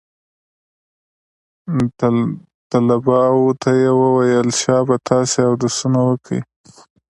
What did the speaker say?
طلباو ته يې وويل شابه تاسې اودسونه وکئ.